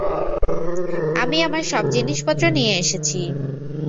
আমি আমার সব জিনিসপত্র নিয়ে এসেছি।